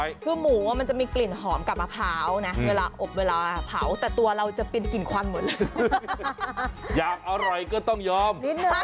อยากอร่อยก็ต้องยอม